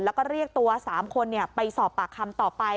แล้วก็เรียกตัว๓คนไปสอบปากคำต่อไป